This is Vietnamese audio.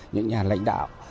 những nhà lãnh đạo